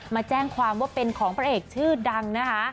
มาแจ้งความว่าเป็นของพระเอกชื่อดังนะคะ